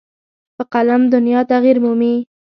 په قلم دنیا تغیر مومي.